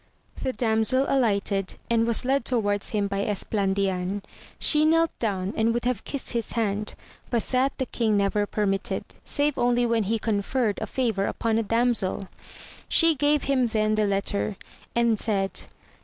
The damsel alighted, and was led towards him hy Esplandian. She knelt down and would have kissed his hand, but that the king never permitted, save only when he conferred a favour upon a damsel. She gave him then the letter, and said.